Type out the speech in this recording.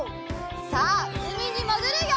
さあうみにもぐるよ！